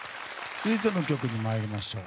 続いての曲に参りましょう。